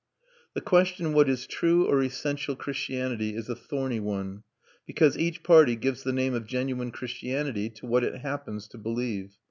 The question what is true or essential Christianity is a thorny one, because each party gives the name of genuine Christianity to what it happens to believe.